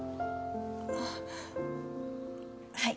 あっはい。